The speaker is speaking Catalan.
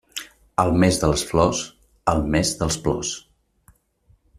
El mes de les flors, el mes dels plors.